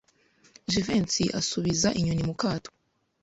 Jivency asubiza inyoni mu kato.